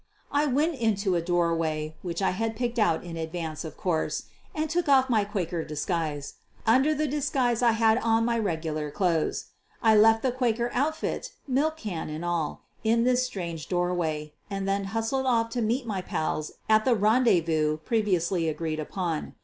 I went into a doorway — which I had picked out in advance, of course — and took off my Quaker dis guise. Under the disguise I had on my regular clothes. I left the Quaker outfit, milk ean and all, in this strange doorway and then hustled off to meet my pals at the rendezvous previously agreed upon.